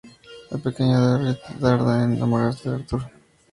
La pequeña Dorrit no tarda en enamorarse de Arthur.